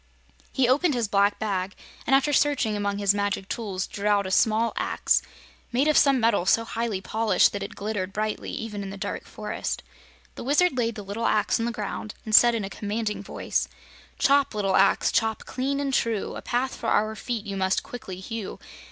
He opened his black bag and after searching among his magic tools drew out a small axe, made of some metal so highly polished that it glittered brightly even in the dark forest. The Wizard laid the little axe on the ground and said in a commanding voice: "Chop, Little Axe, chop clean and true; A path for our feet you must quickly hew.